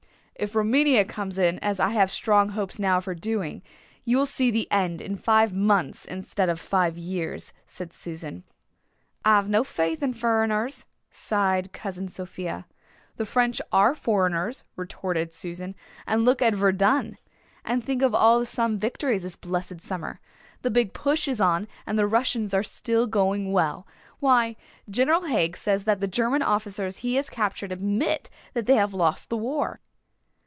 "If Rumania comes in, as I have strong hopes now of her doing, you will see the end in five months instead of five years," said Susan. "I've no faith in furriners," sighed Cousin Sophia. "The French are foreigners," retorted Susan, "and look at Verdun. And think of all the Somme victories this blessed summer. The Big Push is on and the Russians are still going well. Why, General Haig says that the German officers he has captured admit that they have lost the war."